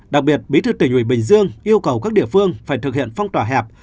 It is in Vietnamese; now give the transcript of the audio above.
đặc biệt bí thư tỉnh ủy bình dương yêu cầu các địa phương phải thực hiện phong tỏa hẹp